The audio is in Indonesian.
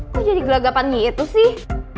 kok jadi gelagapan gitu sih